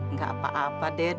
nggak apa apa den